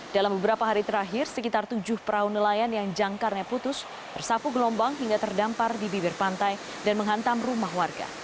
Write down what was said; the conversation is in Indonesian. dalam beberapa hari terakhir sekitar tujuh perahu nelayan yang jangkarnya putus tersapu gelombang hingga terdampar di bibir pantai dan menghantam rumah warga